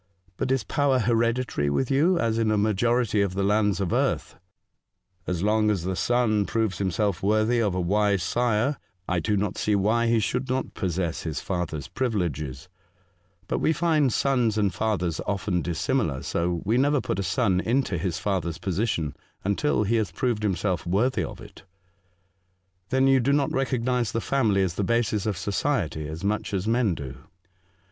But is power hereditary with you, as in a majority of the lands of earth ?"" As long as the son proves himself worthy of a wise sire, I do not see why he should not possess his father's privileges ; but we find sons and fathers often dissimilar, so we never put a son into his father's position until he has proved himself worthy of it." '' Then you do not recognise the family as the basis of society, as much as men do.